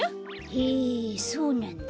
へえそうなんだ。